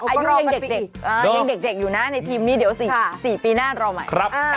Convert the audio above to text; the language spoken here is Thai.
อายุยังเด็กยังเด็กอยู่นะในทีมนี้เดี๋ยว๔ปีหน้ารอใหม่